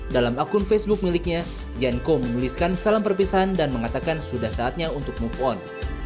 dalam akun facebook miliknya jan ko menuliskan salam perpisahan dan mengatakan sudah saatnya untuk move on